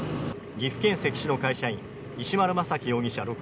岐阜県関市の会社員石丸政喜容疑者